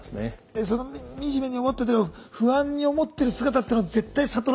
でその惨めに思ってんだけど不安に思ってる姿っていうのは絶対悟られたくないですしね